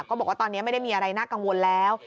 บอกว่าตอนนี้ไม่ได้มีอะไรน่ากังวลแล้ว